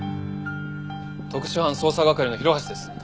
特殊犯捜査係の広橋です。